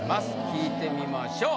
聞いてみましょう。